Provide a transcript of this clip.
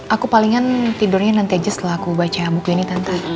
aku palingan tidurnya nanti aja setelah aku baca buku ini tentang